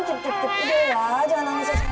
cukup cukup tidur ya jangan nangis ya sayang